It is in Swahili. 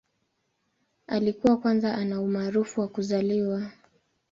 Alikuwa kwanza ana umaarufu wa kuzaliwa.